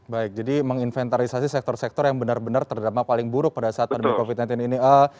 baik jadi menginventarisasi sektor sektor yang benar benar terdampak paling buruk pada saat pandemi covid sembilan belas ini